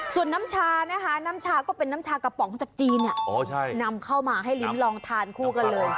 ส่วนน้ำชานะคะน้ำชาก็เป็นน้ำชากระป๋องจากจีนนำเข้ามาให้ลิ้มลองทานคู่กันเลย